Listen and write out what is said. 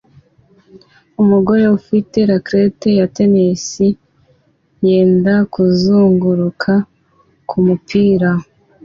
Umugore ufite racket ya tennis yenda kuzunguruka kumupira